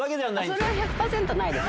それは１００％ないです。